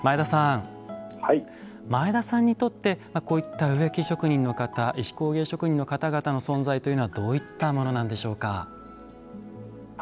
前田さんにとってこういった植木職人の方石工芸職人の方々の存在というのはどういったものなんでしょうか。